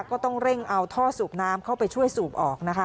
ก็ต้องเร่งเอาท่อสูบน้ำเข้าไปช่วยสูบออกนะคะ